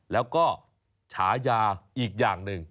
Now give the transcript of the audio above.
แล้วก็ฉายาอีกอย่างหนึ่ง